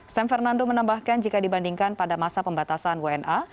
sam fernando menambahkan jika dibandingkan pada masa pembatasan wna